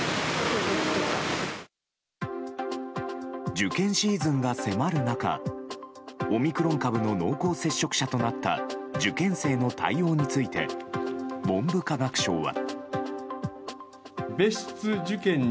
受験シーズンが迫る中オミクロン株の濃厚接触者となった受験生の対応について文部科学省は。